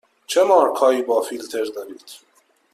چه مارک هایی با فیلتر دارید؟